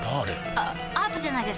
あアートじゃないですか？